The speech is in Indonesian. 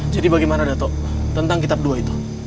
jadi bagaimana dato tentang kitab dua itu